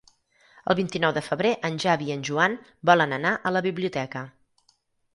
El vint-i-nou de febrer en Xavi i en Joan volen anar a la biblioteca.